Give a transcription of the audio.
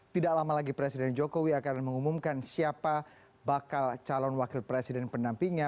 tidak lama lagi presiden jokowi akan mengumumkan siapa bakal calon wakil presiden pendampingnya